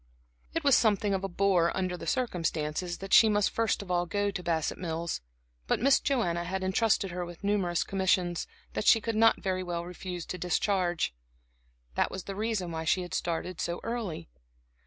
It was something of a bore, under the circumstances, that she must first of all go to Bassett Mills, but Miss Joanna had intrusted her with numerous commissions, that she could not very well refuse to discharge. That was the reason why she had started so early.